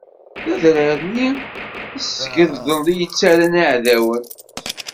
D adrar-nni n Tsegdelt i yettarran iɛdawen.